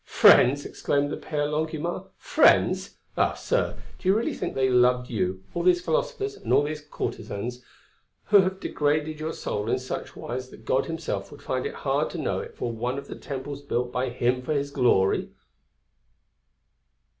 "Friends," exclaimed the Père Longuemare, "friends! Ah! sir, do you really think they loved you, all these philosophers and all these courtesans, who have degraded your soul in such wise that God himself would find it hard to know it for one of the temples built by Him for His glory?"